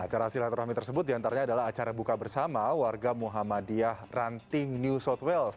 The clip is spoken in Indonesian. acara silaturahmi tersebut diantaranya adalah acara buka bersama warga muhammadiyah ranting new south wales